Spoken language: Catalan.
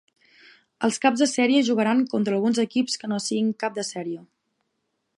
Els caps de sèrie jugaran contra alguns equips que no siguin cap de sèrie.